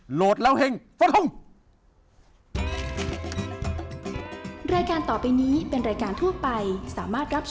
โหลดแล้วเฮ่งสวัสดีครับ